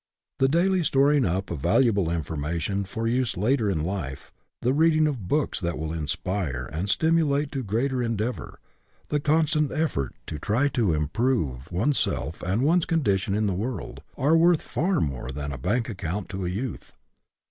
The daily storing up of valuable informa tion for use later in life, the reading of books that will inspire and stimulate to greater en deavor, the constant effort to try to improve EDUCATION BY ABSORPTION 37 oneself and one's condition in the world, are worth far more than a bank account to a youth.